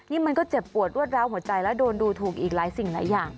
นี่มันก็เจ็บปวดรวดร้าวหัวใจแล้วโดนดูถูกอีกหลายสิ่งหลายอย่าง